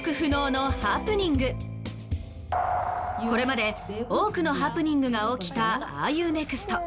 これまで多くのハプニングが起きた『ＲＵＮｅｘｔ？』。